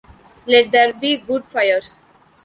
Let there be good fires.